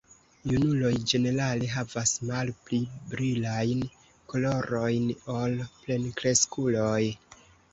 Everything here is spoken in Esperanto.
Junuloj ĝenerale havas malpli brilajn kolorojn ol plenkreskuloj.